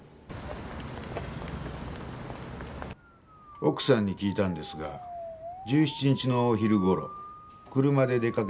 奥さんに聞いたんですが１７日の昼頃車で出かけてますね。